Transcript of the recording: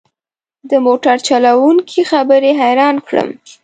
د موټر چلوونکي خبرې حيران کړم.